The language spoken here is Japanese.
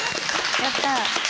やった。